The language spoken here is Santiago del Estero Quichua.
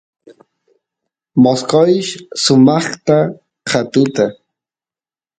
mosqoysh sumaqta ka katuta